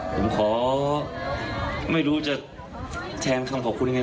ผมขอไม่รู้จะแทนคำขอบคุณยังไง